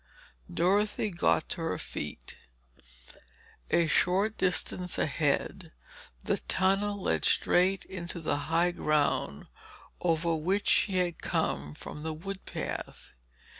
Dorothy got to her feet. A short distance ahead the tunnel led straight into the high ground over which she had come from the wood path.